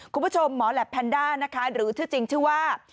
คุณผู้ชมหมอแหลปแพนด้านะคะหรือชื่อจริงชื่อว่า